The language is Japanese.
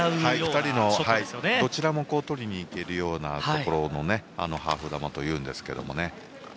２人のどちらも取りにいけるようなところに打つのをハーフ球というんですけどね。